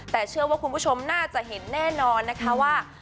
แต่เชื่อว่าคุณผู้ชมน่าจะเห็นแน่นอนนะคะว่า